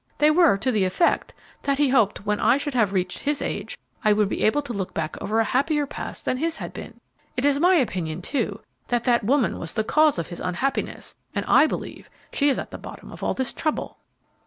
They were to the effect that he hoped when I should have reached his age, I would be able to look back over a happier past than his had been. It is my opinion, too, that that woman was the cause of his unhappiness, and I believe she is at the bottom of all this trouble."